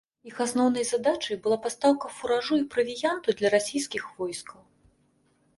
Іх асноўнай задачай была пастаўка фуражу і правіянту для расійскіх войскаў.